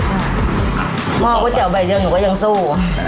หม้อก๋วยเตี๋ยวใบเยอะหนูก็ยังสู้